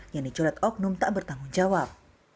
yang dicoret oknum tak bertanggung jawab